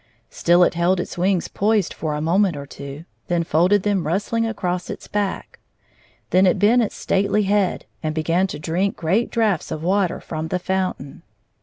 Still it held its wings poised for a moment or two, then folded them rustUng across its back. Then it bent its stately head, and began to drink great draughts of water from the fountain.